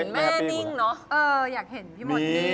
เอออยากเห็นพี่หมดนี่